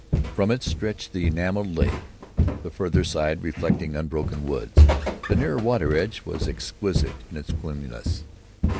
From it stretched the enameled lake, the farther side reflecting unbroken woods. The nearer water edge was exquisite in its clearness.